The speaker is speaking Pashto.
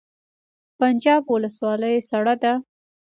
پنجاب ولسوالۍ سړه ده؟